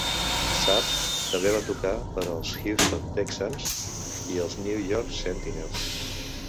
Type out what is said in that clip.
Sapp també va tocar per als Houston Texans i els New York Sentinels.